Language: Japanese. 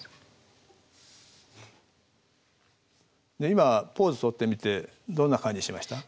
今ポーズとってみてどんな感じしました？